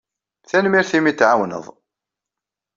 Tanemmirt imi i t-tɛawneḍ.